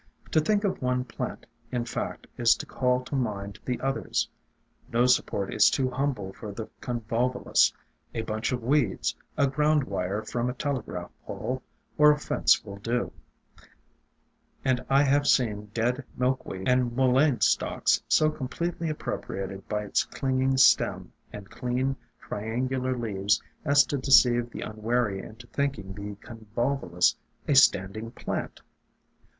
To think of one plant, in fact, is to call to mind the others. No support is too humble for the Convolvulus, — a bunch of weeds, a ground wire from a telegraph pole, or a fence will do; and I have seen dead Milkweed and Mullein stalks so completely appro priated by its clinging stem and clean, triangular leaves as to deceive the unwary into thinking the Convolvulus a standing plant.